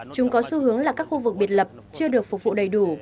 chúng có xu hướng là các khu vực biệt lập chưa được phục vụ đầy đủ